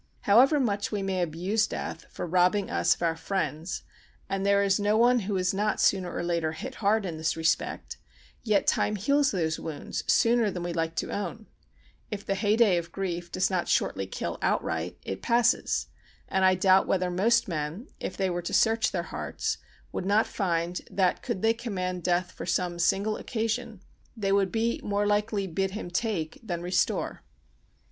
However much we may abuse death for robbing us of our friends—and there is no one who is not sooner or later hit hard in this respect—yet time heals these wounds sooner than we like to own; if the heyday of grief does not shortly kill outright, it passes; and I doubt whether most men, if they were to search their hearts, would not find that, could they command death for some single occasion, they would be more likely to bid him take than restore.